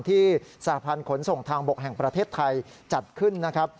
สาพันธ์ขนส่งทางบกแห่งประเทศไทยจัดขึ้นนะครับ